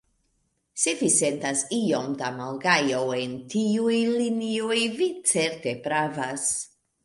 Se vi sentas iom da malgajo en tiuj linioj, vi certe pravas.